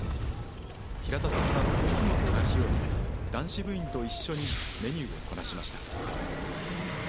平田さんは、いつもと同じように、男子部員と一緒にメニューをこなしました。